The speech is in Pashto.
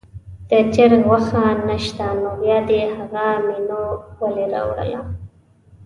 د چرګ غوښه نه شته نو بیا دې هغه مینو ولې راوړله.